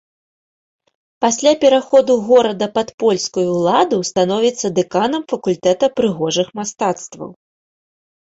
Пасля пераходу горада пад польскую ўладу становіцца дэканам факультэта прыгожых мастацтваў.